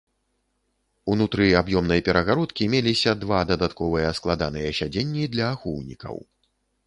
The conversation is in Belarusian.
Унутры аб'ёмнай перагародкі меліся два дадатковыя складаныя сядзенні для ахоўнікаў.